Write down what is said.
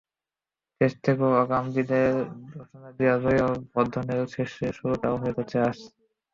Test থেকেও আগাম বিদায়ের ঘোষণা দেওয়া জয়াবর্ধনের শেষের শুরুও হয়ে যাচ্ছে আজ।